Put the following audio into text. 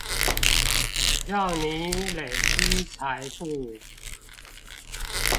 讓你累積財富